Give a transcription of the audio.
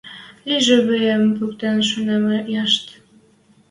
Лижӹ виэм — пӱктен шунем яшт.